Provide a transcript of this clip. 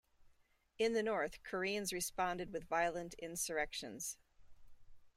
In the north, Koreans responded with violent insurrections.